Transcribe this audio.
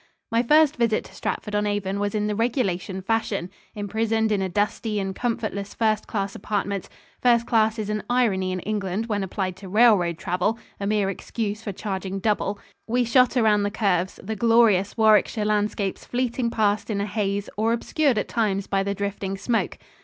My first visit to Stratford on Avon was in the regulation fashion. Imprisoned in a dusty and comfortless first class apartment first class is an irony in England when applied to railroad travel, a mere excuse for charging double we shot around the curves, the glorious Warwickshire landscapes fleeting past in a haze or obscured at times by the drifting smoke.